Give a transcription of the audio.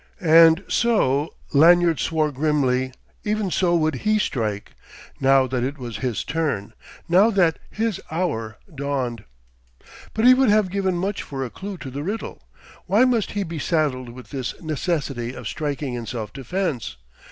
And so Lanyard swore grimly even so would he strike, now that it was his turn, now that his hour dawned. But he would have given much for a clue to the riddle. Why must he be saddled with this necessity of striking in self defence?